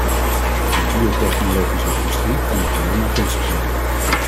Voor de biotechnologische industrie kan dat alleen maar gunstig zijn.